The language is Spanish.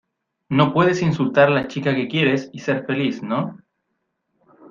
no puedes insultar a la chica que quieres y ser feliz, ¿ no?